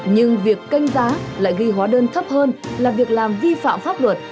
nhưng việc canh giá lại ghi hóa đơn thấp hơn là việc làm vi phạm pháp luật